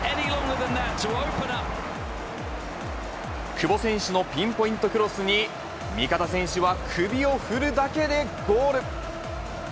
久保選手のピンポイントクロスに、味方選手は首を振るだけでゴール。